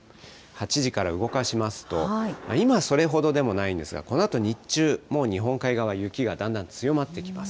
８時から動かしますと、今それほどでもないんですが、このあと日中、もう日本海側、雪がだんだん強まってきます。